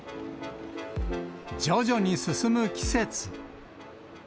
徐々に進む季節。